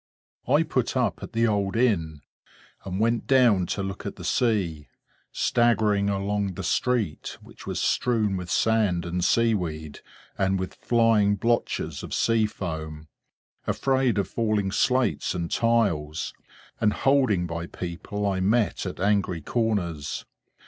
I put up at the old inn, and went down to look at the sea; staggering along the street, which was strewn with sand and sea weed, and with flying blotches of sea foam; afraid of falling slates and tiles; and holding by people I met at angry corners.